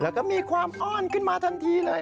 แล้วก็มีความอ้อนขึ้นมาทันทีเลย